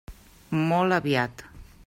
Molt aviat.